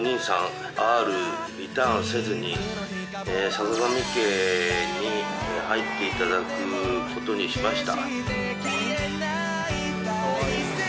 さかがみ家に入っていただくことにしました。